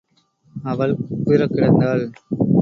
அவள் குப்புறக் கிடந்தாள்.